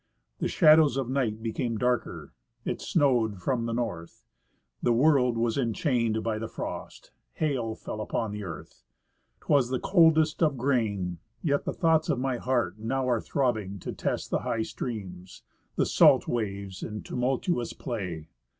The shadows of night became darker, it snowed from the north; The world was enchained by the frost; hail fell upon earth; 'Twas the coldest of grain. Yet the thoughts of my heart now are throbbing To test the high streams, the salt waves in tumultuous play.